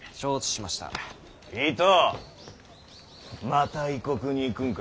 また異国に行くんか。